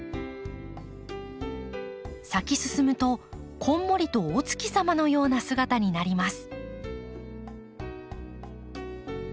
咲き進むとこんもりとお月様のような姿になります。